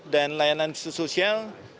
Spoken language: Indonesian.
dan layanan sosial